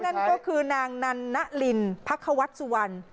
นั่นก็คือนางนันณลินพัควอตสุวรรค์